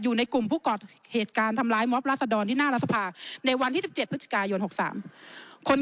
อยู่ในกลุ่มผู้ก่อเหตุการณ์ทำร้ายมอบราษดรที่หน้ารัฐสภาในวันที่๑๗พฤศจิกายน๖๓คน